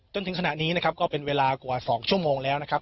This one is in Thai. จนถึงขณะนี้นะครับก็เป็นเวลากว่า๒ชั่วโมงแล้วนะครับ